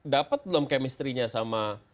dapat belum kemestrinya sama